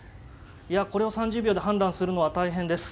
いやこれを３０秒で判断するのは大変です。